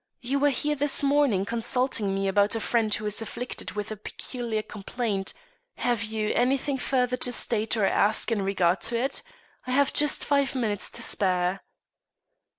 You were here this morning consulting me about a friend who is afflicted with a peculiar complaint. Have you anything further to state or ask in regard to it. I have just five minutes to spare."